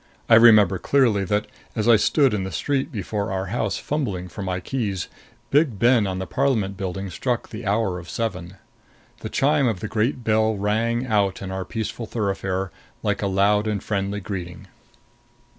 I remember clearly that, as I stood in the street before our house fumbling for my keys, Big Ben on the Parliament Buildings struck the hour of seven. The chime of the great bell rang out in our peaceful thoroughfare like a loud and friendly greeting.